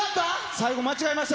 最後、間違えました。